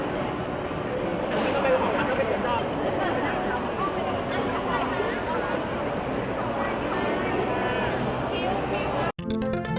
ดีแค่แบบนี้ค่ะ